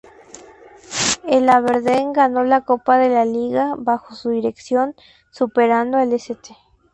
El Aberdeen ganó la Copa de la Liga, bajo su dirección, superando al St.